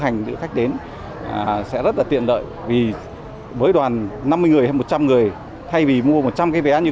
hành lữ khách đến sẽ rất là tiện lợi vì với đoàn năm mươi người hay một trăm linh người thay vì mua một trăm linh cái vé như